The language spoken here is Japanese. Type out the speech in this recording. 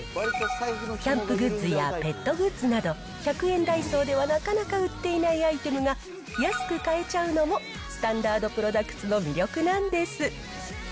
キャンプグッズやペットグッズなど、１００円ダイソーではなかなか売っていないアイテムが、安く買えちゃうのも、ＳｔａｎｄａｒｄＰｒｏｄｕｃｔｓの魅力なんです。